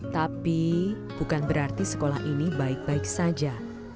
tapi bukan berarti sekolah ini baik baik saja